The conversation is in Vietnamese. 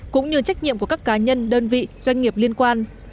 cũng như trách nhiệm của các cá nhân đơn vị doanh nghiệp liên quan